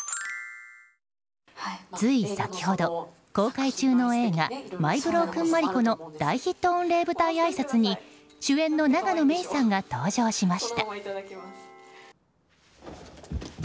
つい先ほど、公開中の映画「マイ・ブロークン・マリコ」の大ヒット御礼舞台あいさつに主演の永野芽郁さんが登場しました。